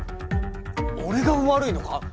俺が悪いのか！？